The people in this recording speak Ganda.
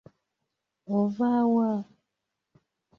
Ova wa?